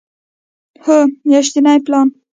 هو، میاشتنی پلان